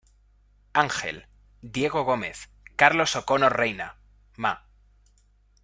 Ángel, Diego Gómez, Carlos O'Connor Reina, Ma.